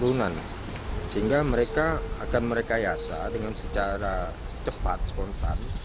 turunan sehingga mereka akan merekayasa dengan secara cepat spontan